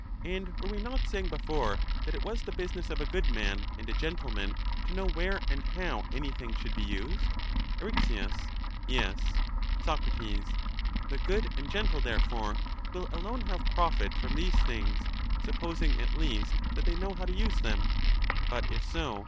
And were we not saying before that it was the business of a good man and a gentleman to know where and how anything should be used? Eryx. Yes. Soc. The good and gentle, therefore, will alone have profit from these things, supposing at least that they know how to use them. But if so.